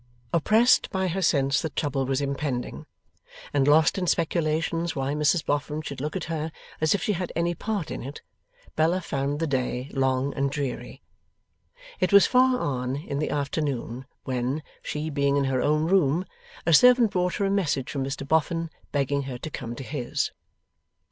Oppressed by her sense that trouble was impending, and lost in speculations why Mrs Boffin should look at her as if she had any part in it, Bella found the day long and dreary. It was far on in the afternoon when, she being in her own room, a servant brought her a message from Mr Boffin begging her to come to his.